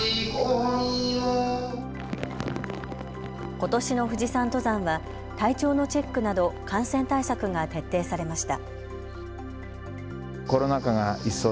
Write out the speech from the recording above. ことしの富士山登山は体調のチェックなど感染対策が徹底されました。